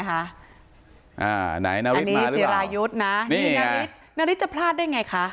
อันนี้จิรายุทธ์นะนาริสจะพลาดได้ไงคะ